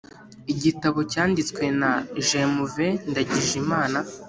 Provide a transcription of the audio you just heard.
igitabo cyanditswe na jmv ndagijimana